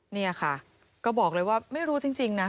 นี่ค่ะก็บอกเลยว่าไม่รู้จริงนะ